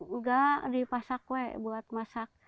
enggak dipasak kue buat masak